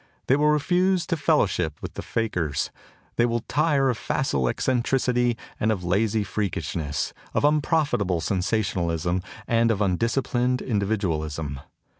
They will refuse to fellowship with the fakers. They will tire of facile eccentricity and of lazy freakishness, of unprofitable sensationalism and of undisciplined individualism.